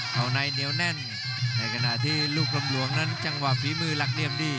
เขาในเหนียวแน่นในขณะที่ลูกกลมหลวงนั้นจังหวะฝีมือหลักเหลี่ยมดี